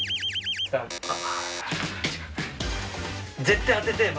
絶対当ててえ。